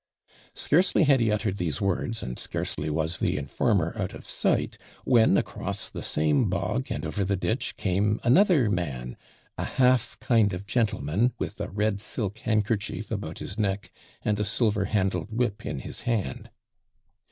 Scarcely had he uttered these words, and scarcely was the informer out of sight, when across the same bog, and over the ditch, came another man, a half kind of gentleman, with a red silk handkerchief about his neck, and a silver handled whip in his hand.